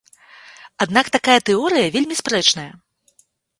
Аднак такая тэорыя вельмі спрэчная.